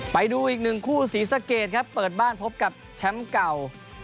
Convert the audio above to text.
ไปดูอีกหนึ่งคู่ศรีสะเกดครับเปิดบ้านพบกับแชมป์เก่า